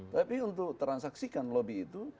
tapi untuk transaksikan lobby itu